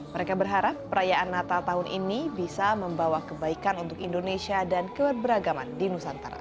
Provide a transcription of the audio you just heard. mereka berharap perayaan natal tahun ini bisa membawa kebaikan untuk indonesia dan keberagaman di nusantara